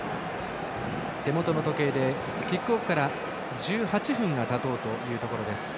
手元の時計でキックオフから１８分たとうというところ。